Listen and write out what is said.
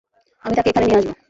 আমি তাকে এখানে নিয়ে আসব।